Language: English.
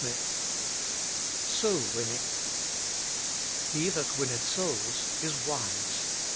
XXXIV SOUL WINNING *' He that winneth souls is wise."